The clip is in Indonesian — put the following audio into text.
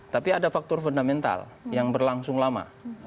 tapi ada faktor fundamental yang berlangsung lama